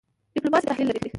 ډيپلومات سیاسي تحلیل لري .